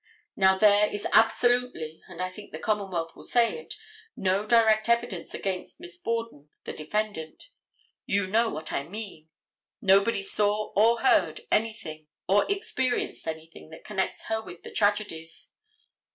Now there is absolutely (and I think the commonwealth will say it) no direct evidence against Miss Borden, the defendant. You know what I mean. Nobody saw or heard anything or experienced anything that connects her with the tragedies.